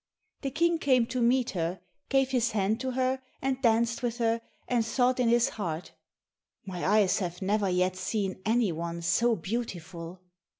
The King came to meet her, gave his hand to her, and danced with her, and thought in his heart, "My eyes have never yet seen any one so beautiful!"